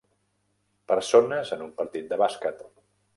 Persones en un partit de bàsquet.